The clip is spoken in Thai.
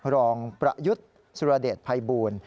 รองประยุทธ์สุรเดชภัยบูล